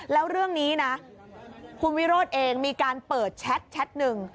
แล้วเรื่องนี้นะคุณวิโรธเองมีการเปิดแชทหนึ่ง